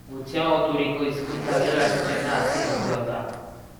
Gutxiagoturiko hizkuntza dela esaten da azken urteotan.